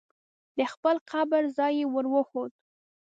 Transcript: د خپل قبر ځای یې ور وښود.